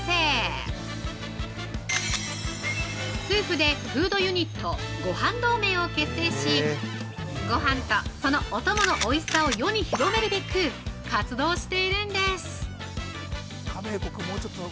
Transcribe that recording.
夫婦でフードユニットごはん同盟を結成しごはんとそのおとものおいしさを世に広めるべく活動しているんです！